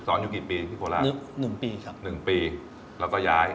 สอนอยู่กี่ปีที่โคราช๑ปีแล้วก็ย้าย